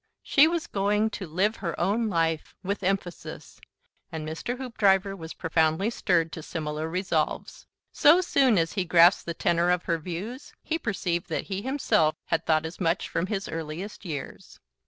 She was going to Live her Own Life, with emphasis, and Mr. Hoopdriver was profoundly stirred to similar resolves. So soon as he grasped the tenor of her views, he perceived that he himself had thought as much from his earliest years.